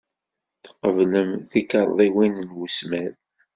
Tqebblem tikarḍiwin n wesmad?